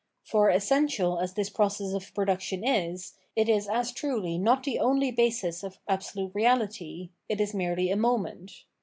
For essential as this process of production is, it is as trrdy not the only basis of Absolute Reahty; it is merely a moment.